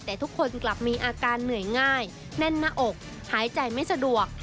แต่ทุกคนกลับมีอาการเหนื่อยง่ายแน่นหน้าอกหายใจไม่สะดวก